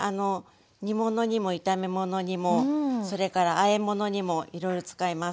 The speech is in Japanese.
煮物にも炒め物にもそれからあえ物にもいろいろ使います。